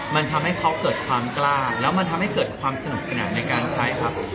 มันทำให้เขาเกิดความกล้าแล้วมันทำให้เกิดความสนุกสนานในการใช้ครับ